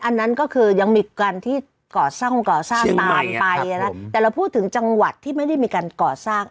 อันนั้นก็คือยังมีการที่ก่อสร้างก่อสร้างตามไปนะแต่เราพูดถึงจังหวัดที่ไม่ได้มีการก่อสร้าง